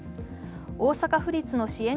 大阪府立の支援